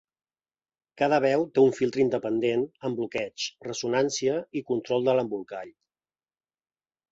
Cada veu té un filtre independent amb bloqueig, ressonància i control de l'embolcall.